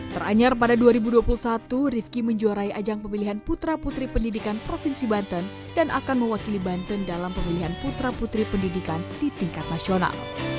teranyar pada dua ribu dua puluh satu rifki menjuarai ajang pemilihan putra putri pendidikan provinsi banten dan akan mewakili banten dalam pemilihan putra putri pendidikan di tingkat nasional